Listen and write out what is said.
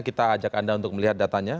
kita ajak anda untuk melihat datanya